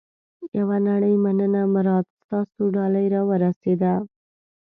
یوه نړۍ مننه مراد. ستاسو ډالۍ را ورسېده.